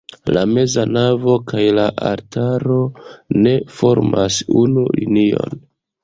La meza navo kaj la altaro ne formas unu linion.